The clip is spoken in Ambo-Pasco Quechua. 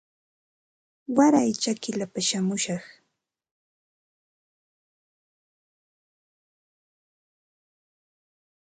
Waray chakillapa shamushaq